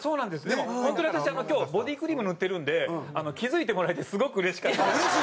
でも本当に私は今日ボディークリーム塗ってるんで気付いてもらえてすごくうれしかった。